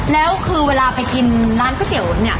แล้วคือเวลาไปกินร้านก๋วยเตี๋ยวเนี่ย